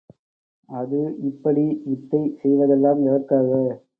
அது இப்படி வித்தை செய்வதெல்லாம் எதற்காக!